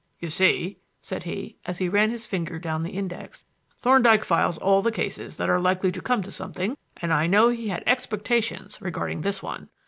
"You see," said he, as he ran his finger down the index. "Thorndyke files all the cases that are likely to come to something, and I know he had expectations regarding this one.